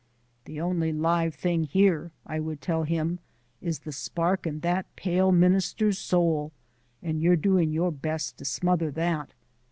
"The only live thing here," I would tell him, "is the spark in that pale minister's soul; and you're doing your best to smother that."